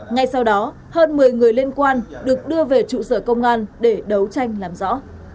ngay sau đó hơn một mươi người liên quan được đưa về trụ sở công an để đấu tranh làm rõ